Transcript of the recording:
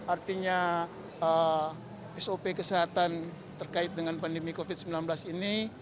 artinya sop kesehatan terkait dengan pandemi covid sembilan belas ini